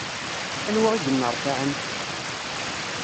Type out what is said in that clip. Anwa i yenneṛfaɛen?